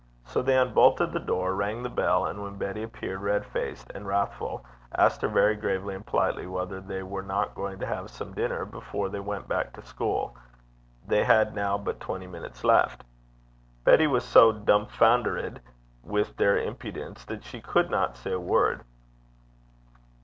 So they unbolted the door, rang the bell, and when Betty appeared, red faced and wrathful, asked her very gravely and politely whether they were not going to have some dinner before they went back to school: they had now but twenty minutes left. Betty was so dumfoundered with their impudence that she could not say a word.